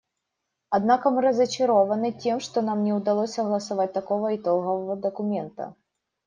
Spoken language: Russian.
Однако мы разочарованы тем, что нам не удалось согласовать такого итогового документа.